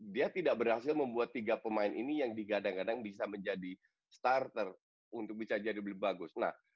dia tidak berhasil membuat tiga pemain ini yang digadang gadang bisa menjadi starter untuk bisa jadi lebih bagus